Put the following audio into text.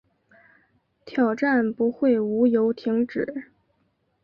挑战不会无由停止